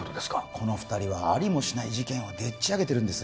この二人はありもしない事件をでっちあげてるんです